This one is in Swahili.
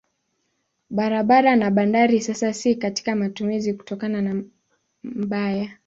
Barabara na bandari sasa si katika matumizi kutokana na mbaya.